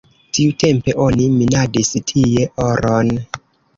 Tiutempe oni minadis tie oron.